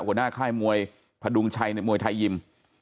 หัวหน้าค่ายมวยพดุงชัยในมวยไทยยิม